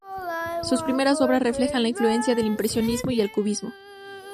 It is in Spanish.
Sus primeras obras reflejan la influencia del impresionismo y el cubismo.